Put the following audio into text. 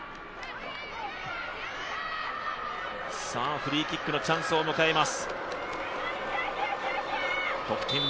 フリーキックのチャンスを迎えます。